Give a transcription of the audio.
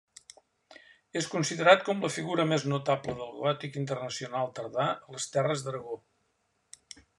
És considerat com la figura més notable del gòtic internacional tardà a les terres d'Aragó.